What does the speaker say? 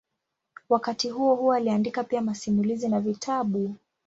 Wakati huohuo aliandika pia masimulizi na vitabu.